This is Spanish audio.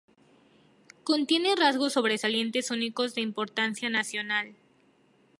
Contiene rasgos sobresalientes únicos de importancia nacional.